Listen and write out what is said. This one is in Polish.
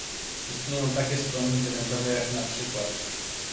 Istnieją takie strony internetowe jak np